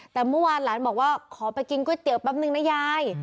แต่เมื่อวานหลานบอกว่าขอไปกินก๋วยเตี๋แป๊บนึงนะยาย